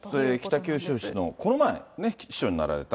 北九州市の、この前、市長になられた。